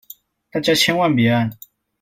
大家千萬別按